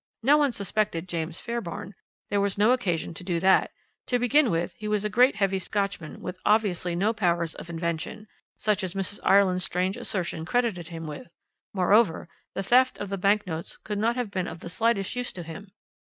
No one suspected James Fairbairn; there was no occasion to do that; to begin with he was a great heavy Scotchman with obviously no powers of invention, such as Mrs. Ireland's strange assertion credited him with; moreover, the theft of the bank notes could not have been of the slightest use to him.